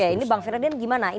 oke ini bang ferdinand gimana